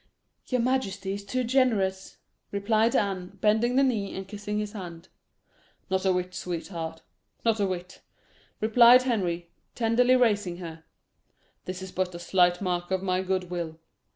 "Your majesty is too generous," replied Anne, bending the knee, and kissing his hand. "Not a whit, sweetheart not a whit," replied Henry, tenderly raising her; "this is but a slight mark of my goodwill.